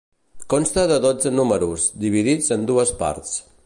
Consta de dotze números, dividits en dues parts.